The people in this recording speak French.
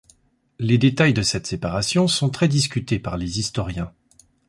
Les détails de cette séparation sont très discutés par les historiens.